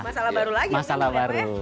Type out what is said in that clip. masalah baru lagi